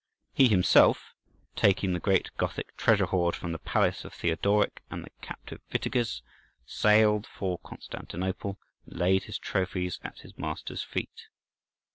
[May, 540 A.D.] He himself, taking the great Gothic treasure hoard from the palace of Theodoric, and the captive Witiges, sailed for Constantinople, and laid his trophies at his master's feet.